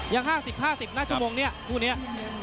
ยัง๕๐๕๐หน้าชั่วโมงเนี่ยคู่เนี่ย